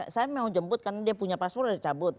saya mau jemput karena dia punya paspor udah cabut